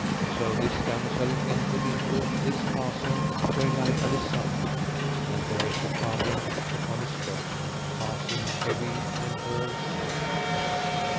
So this damosel entered into this castle where lay Alisander, and there she found him upon his bed, passing heavy and all sad.